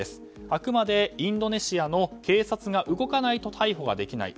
あくまでインドネシアの警察が動かないと逮捕ができない。